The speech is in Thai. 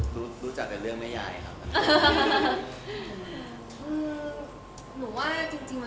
ครูรู้จักแต่เรื่องแม่ยายครับ